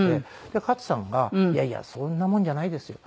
で勝さんが「いやいやそんなもんじゃないですよ」